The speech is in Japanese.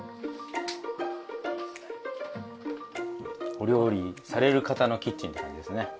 お料理される方のキッチンって感じですね。